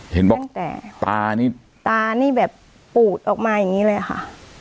เห็นบอกตั้งแต่ตานี่ตานี่แบบปูดออกมาอย่างนี้เลยค่ะ